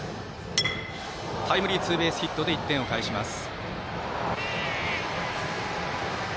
タイムリーツーベースヒットで１点を返します。